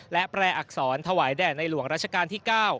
และแปรอักษรถวายแด่ในหลวงราชการที่๙